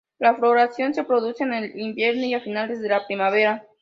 La floración se produce en el invierno y a finales de la primavera.